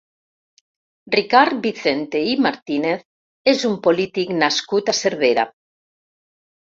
Ricard Vicente i Martínez és un polític nascut a Cervera.